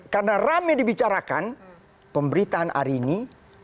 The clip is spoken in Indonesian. karena rame dibicarakan pemberitaan hari ini